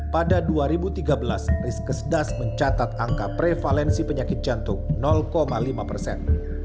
pada dua ribu tiga belas riskesdas mencatat angka prevalensi penyakit jantung lima persen